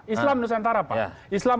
islam nusantara pak islam